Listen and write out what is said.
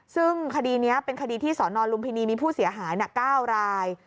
ซึ่งคดีนี้เป็นคดีที่สนลุมพินีมีผู้เสียหาย๙ราย